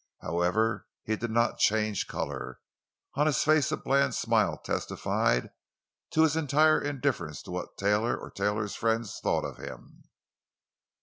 However, he did not change color; on his face a bland smile testified to his entire indifference to what Taylor or Taylor's friends thought of him.